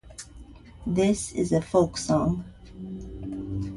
This is a folk song.